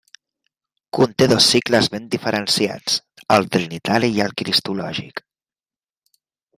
Conté dos cicles ben diferenciats: el trinitari i el cristològic.